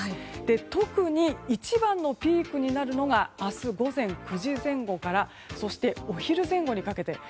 特に一番のピークになるのが明日午前９時前後からそして、お昼前後にかけて。